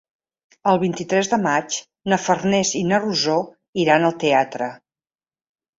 El vint-i-tres de maig na Farners i na Rosó iran al teatre.